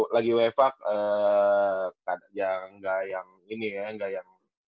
lagi wefa yang ga yang ini ya ga yang